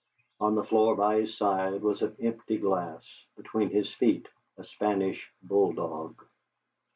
On the floor by his side was an empty glass, between his feet a Spanish bulldog.